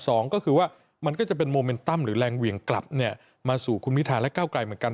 สองก็คือว่ามันก็จะเป็นโมเมนตั้มหรือแรงเหวี่ยงกลับเนี่ยมาสู่คุณพิธาและเก้าไกลเหมือนกัน